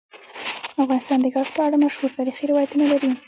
افغانستان د ګاز په اړه مشهور تاریخی روایتونه لري.